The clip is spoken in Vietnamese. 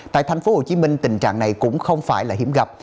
tại tp hcm tình trạng này cũng không phải là hiếm gặp